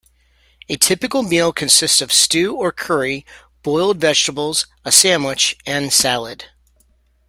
A typical meal consists of stew or curry, boiled vegetables, a sandwich, and salad.